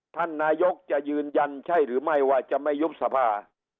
ท่านนายกจะยืนยันใช่หรือไม่ว่าจะไม่ยุบสภา